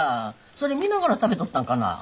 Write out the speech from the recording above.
それ見ながら食べとったんかな？